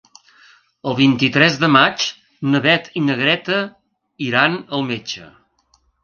El vint-i-tres de maig na Beth i na Greta iran al metge.